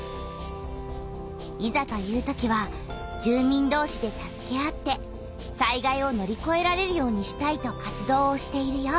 いざというときは住民どうしで助け合って災害を乗りこえられるようにしたいと活動をしているよ。